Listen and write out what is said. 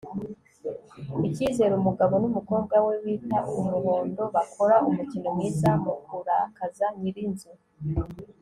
Icyizere umugabo numukobwa we wita umuhondo bakora umukino mwiza mukurakaza nyirinzu